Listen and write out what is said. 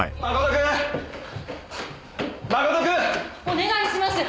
お願いします。